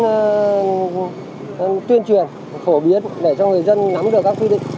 tổ công tác vẫn tuyên truyền phổ biến để cho người dân nắm được các quy định